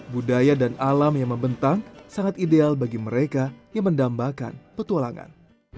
budaya dan alam yang membentang sangat ideal bagi mereka yang mendambakan petualangan